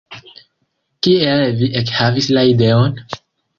Kiel vi ekhavis la ideon?